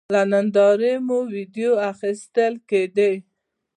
له نندارې مو وېډیو اخیستل کېدې.